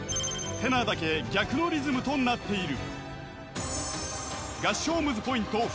［テナーだけ逆のリズムとなっている］